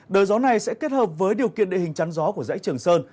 đời gió này sẽ kết hợp với điều kiện địa hình chắn gió của dãy trường sơn